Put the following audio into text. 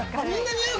似合う！